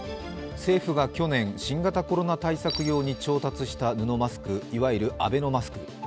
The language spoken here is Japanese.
政府が去年、新型コロナ対策用に調達した布マスクいわゆるアベノマスク。